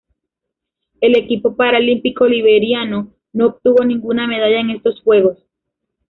El equipo paralímpico liberiano no obtuvo ninguna medalla en estos Juegos.